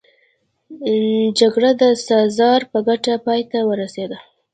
جګړه د سزار په ګټه پای ته ورسېده